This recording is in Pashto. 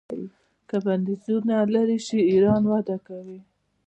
که بندیزونه لرې شي ایران وده کوي.